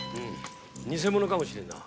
偽者かもしれんな。